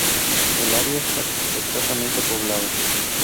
El área está escasamente poblada.